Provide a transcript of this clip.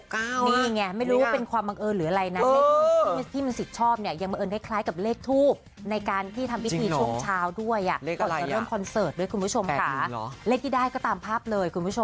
ก็เป็นเหมือนที่พี่มนต์สิทธิ์เขาชอบเลย